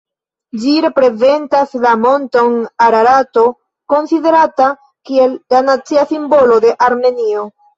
Ĝi reprezentas la monton Ararato, konsiderata kiel la nacia simbolo de Armenio.